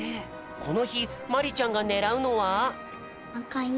このひまりちゃんがねらうのは？